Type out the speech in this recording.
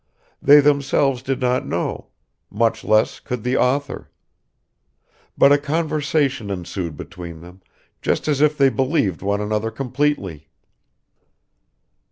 They themselves did not know, much less could the author. But a conversation ensued between them, just as if they believed one another completely.